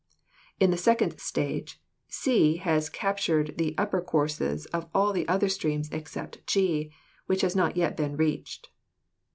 In the second stage, c has captured the upper courses of all the other streams except g, which has not yet been reached.